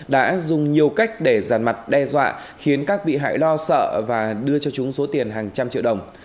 đã dùng nhiều cách để giàn mặt đe dọa khiến các bị hại lo sợ và đưa cho chúng số tiền hàng trăm triệu đồng